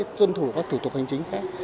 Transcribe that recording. các cái tuân thủ các tủ tục hành chính khác